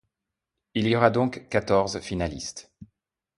Il y aura donc quatorze finalistes.